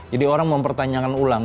jadi orang mempertanyakan ulang